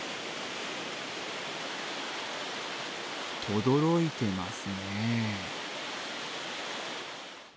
とどろいてますね。